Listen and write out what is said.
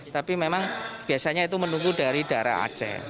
tapi memang biasanya itu menunggu dari daerah aceh